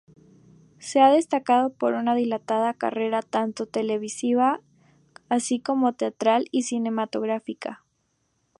Se ha destacado por una dilatada carrera tanto televisiva así como teatral y cinematográfica.